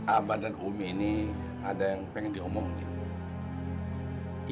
abang dan umi ini ada yang pengen diomong nih